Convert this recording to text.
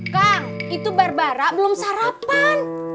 kang itu barbara belum sarapan